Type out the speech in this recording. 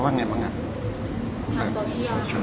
เพราะตามคำสั่งสรรค์ของทุกคน